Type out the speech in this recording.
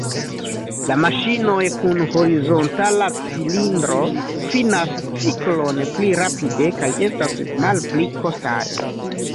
La maŝinoj kun horizontala cilindro finas ciklon pli rapide kaj estas malpli kostaj.